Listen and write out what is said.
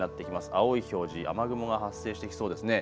青い表示、雨雲が発生してきそうですね。